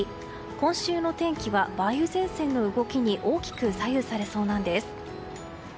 今週の天気は梅雨前線の動きに大きく左右されそうなんです。